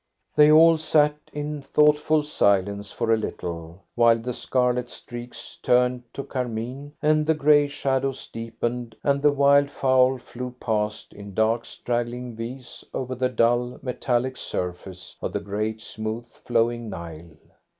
They all sat in thoughtful silence for a little, while the scarlet streaks turned to carmine, and the grey shadows deepened, and the wild fowl flew past in dark straggling V's over the dull metallic surface of the great smooth flowing Nile.